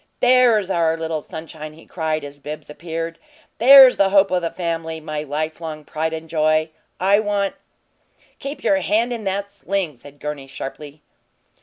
"THERE'S our little sunshine!" he cried, as Bibbs appeared. "THERE'S the hope o' the family my lifelong pride and joy! I want " "Keep you hand in that sling," said Gurney, sharply.